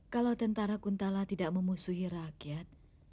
kalau tentara kuntala tidak memusuhi rakyat